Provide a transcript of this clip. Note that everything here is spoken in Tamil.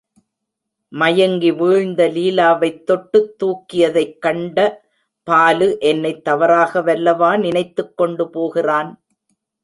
மயங்கி வீழ்ந்த லீலாவைத் தொட்டுத் தூக்கியதைக்கண்ட பாலு, என்னைத் தவறாகவல்லவா நினைத்துக்கொண்டு போகிறான்.